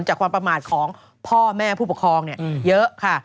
จากความประมาทของพ่อแม่ผู้ปกครองเยอะค่ะ